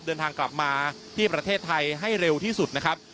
เดินทางกลับมาที่ประเทศไทยให้เร็วที่สุดนะครับ